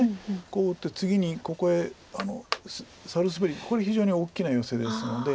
こう打って次にここへサルスベリこれ非常に大きなヨセですので。